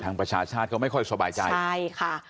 ด้านประชาชาชาติเขาไม่ค่อยโสบายใจ